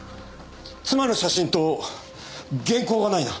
妻の写真と原稿がないな。